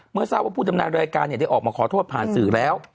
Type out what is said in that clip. เมื่อทราบว่าผู้ดำเนินรายการได้ออกมาขอโทษผ่านสื่อแล้ว